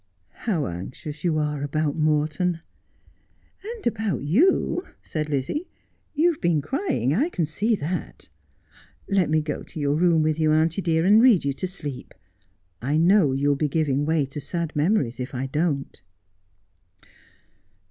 ' How anxious you are about Morton.' 'And about you,' said Lizzie ; 'you have been crying. 1 can 4G Just as I Am. see that. Let me go to your room with you, auntie dear, and read you to sleep. I know you will be giving way to sad memories if I don't.'